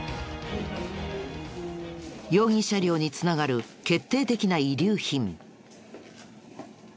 容疑車両に繋がる決定的な遺留品。